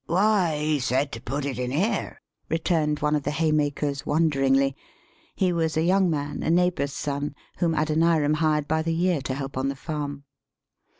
"Why, he said to put it in here," returned one of the haymakers, wonderingly. [He was a young man, a neighbor's son, whom Adoniram hired by the year to help on the farm.